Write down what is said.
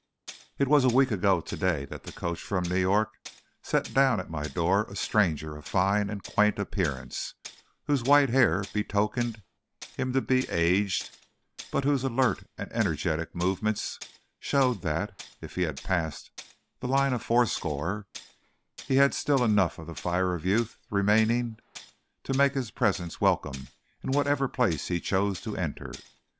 It was a week ago to day that the coach from New York set down at my door a stranger of fine and quaint appearance, whose white hair betokened him to be aged, but whose alert and energetic movements showed that, if he had passed the line of fourscore, he had still enough of the fire of youth remaining to make his presence welcome in whatever place he chose to enter.